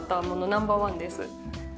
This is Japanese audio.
ナンバーワンです。